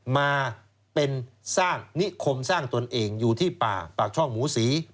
มาเป็นสร้างนิคมสร้างตนเองอยู่ที่ป่าปากช่องหมูศรี